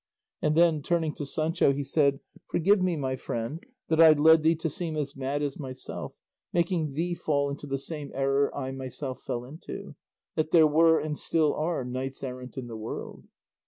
And then, turning to Sancho, he said, "Forgive me, my friend, that I led thee to seem as mad as myself, making thee fall into the same error I myself fell into, that there were and still are knights errant in the world."